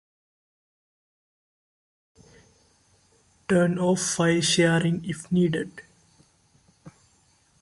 Turn off file sharing if needed.